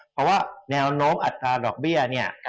เพราะว่าแนวโน้มอัตราดอกเบี้ยเนี่ย